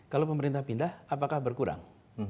kalau pemerintah pindah apakah berkurang